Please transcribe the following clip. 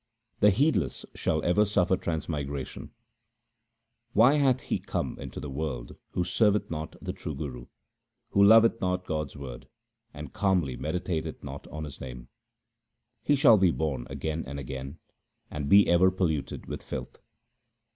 The heedless shall ever suffer transmigration :— Why hath he come into the world who serveth not the true Guru, Who loveth not God's word, and calmly meditateth not on His name ? He shall be born again and again, and be ever polluted with filth.